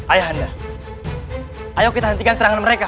ayah anda ayo kita hentikan serangan mereka